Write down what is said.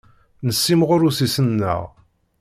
Nessimɣur ussisen-nneɣ.